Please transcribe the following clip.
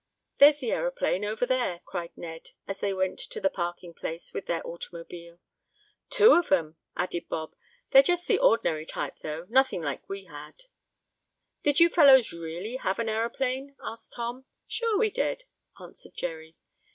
"There's the aeroplane over there!" cried Ned, as they went to the parking place with their automobile. "Two of 'em!" added Bob. "They're just the ordinary type, though. Nothing like what we had." "Did you fellows really have an aeroplane?" asked Tom. "Sure we did!" answered Jerry.